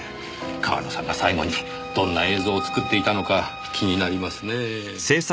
川野さんが最後にどんな映像を作っていたのか気になりますねぇ。